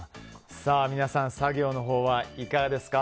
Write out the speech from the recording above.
皆さん、作業のほうはいかがですか？